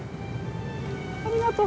ありがとう。